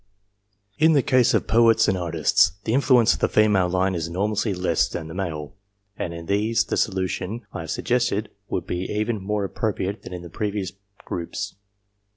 In the case of Poets and Artists, the influence of the COMPARISON OF RESULTS 319 female line is enormously less than the male, and in these the solution I have suggested would be even more appro priate than in the previous groups.